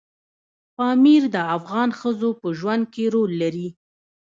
پامیر د افغان ښځو په ژوند کې رول لري.